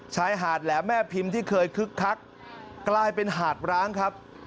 ชายหาดแหลมแม่พิมพ์ที่เคยคึกคักกลายเป็นหาดร้างครับ